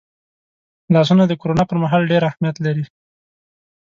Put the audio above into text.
لاسونه د کرونا پرمهال ډېر اهمیت لري